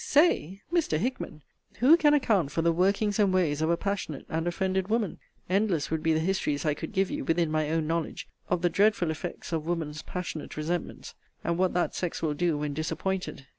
Say! Mr. Hickman! Who can account for the workings and ways of a passionate and offended woman? Endless would be the histories I could give you, within my own knowledge, of the dreadful effects of woman's passionate resentments, and what that sex will do when disappointed.